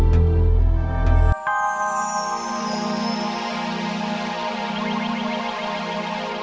sampai jumpa lagi